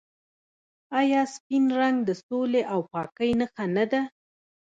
آیا سپین رنګ د سولې او پاکۍ نښه نه ده؟